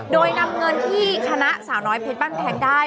โดยนำเงินที่คณะสาวน้อยเพชรบ้านแพงได้